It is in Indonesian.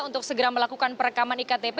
untuk segera melakukan perekaman iktp